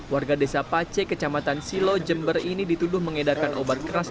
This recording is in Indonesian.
warga desa pace kecamatan silo jember ini dituduh mengedarkan obat keras